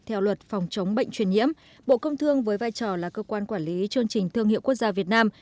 theo luật phòng chống bệnh truyền nhiễm bộ công thương với vai trò là cơ quan quản lý chương trình thương hiệu quốc gia việt nam